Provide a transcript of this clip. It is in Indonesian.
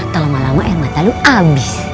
terlama lama yang mata lo abis